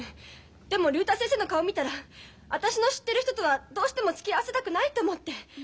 でも竜太先生の顔見たら私の知ってる人とはどうしてもつきあわせたくないって思って。